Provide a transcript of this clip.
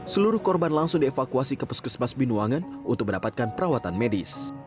seluruh korban langsung dievakuasi ke puskesmas binuangan untuk mendapatkan perawatan medis